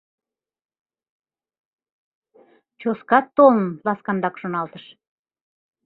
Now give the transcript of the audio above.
«Чоскат толын, — ласканрак шоналтыш.